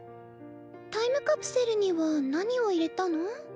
タイムカプセルには何を入れたの？